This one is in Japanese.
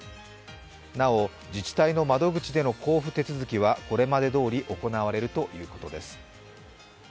なお、自治体の窓口での交付手続きはこれまでどおり行われるということです。